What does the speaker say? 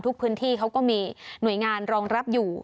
พื้นที่เขาก็มีหน่วยงานรองรับอยู่